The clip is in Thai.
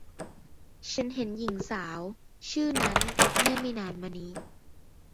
ฉันเห็นหญิงสาวชื่อนั้นเมื่อไม่นานมานี้